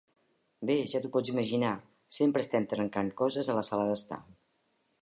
Bé, ja t'ho pots imaginar, sempre estem trencant coses a la sala d'estar.